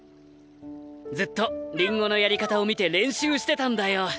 ずっとリンゴのやり方を見て練習してたんだよ。